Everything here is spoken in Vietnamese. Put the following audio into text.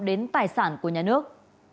đến tài sản của nhà nước